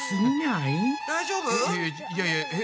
いやいやえっ？